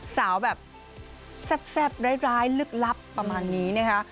สาวแบบแซ่บร้ายลึกลับประมาณนี้นะคะ